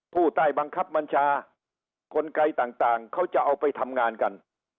ผู้ใต้บังคับบัญชากลไกต่างเขาจะเอาไปทำงานกัน